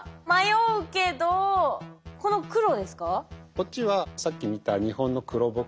こっちはさっき見た日本の黒ボク